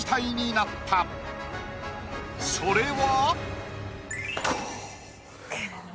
それは。